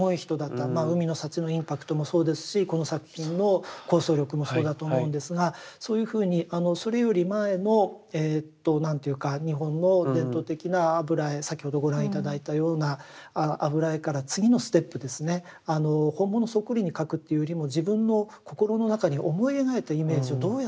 「海の幸」のインパクトもそうですしこの作品の構想力もそうだと思うんですがそういうふうにそれより前のえと何ていうか日本の伝統的な油絵先ほどご覧頂いたような油絵から次のステップですね本物そっくりに描くっていうよりも自分の心の中に思い描いたイメージをどうやって表現するか。